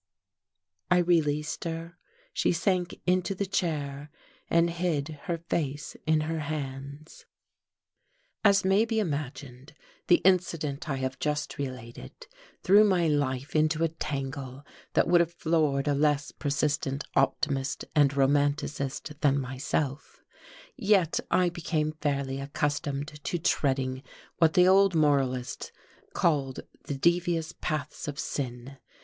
I released her. She sank into the chair and hid her face in her hands.... As may be imagined, the incident I have just related threw my life into a tangle that would have floored a less persistent optimist and romanticist than myself, yet I became fairly accustomed to treading what the old moralists called the devious paths of sin.